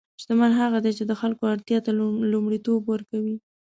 شتمن هغه دی چې د خلکو اړتیا ته لومړیتوب ورکوي.